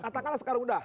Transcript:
katakanlah sekarang udah